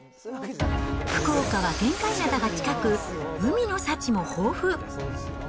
福岡は玄界灘が近く、海の幸も豊富。